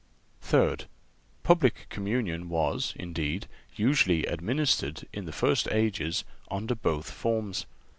(386) Third—Public Communion was, indeed, usually administered in the first ages under both forms.